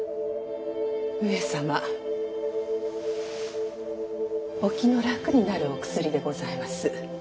上様お気の楽になるお薬でございます。